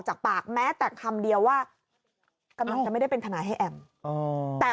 จากปากแม้แต่คำเดียวว่ากำลังจะไม่ได้เป็นทนายให้แอมแต่